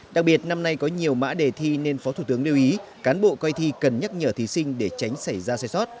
đặc biệt năm nay có nhiều mã đề thi nên phó thủ tướng lưu ý cán bộ coi thi cần nhắc nhở thí sinh để tránh xảy ra sai sót